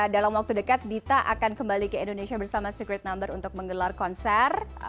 dalam waktu dekat dita akan kembali ke indonesia bersama secret number untuk menggelar konser